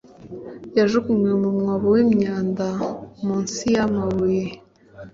yajugunywe mu mwobo wimyanda munsi yamabuye